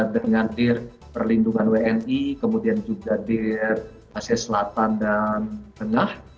dengan dir perlindungan wni kemudian juga dir asia selatan dan tengah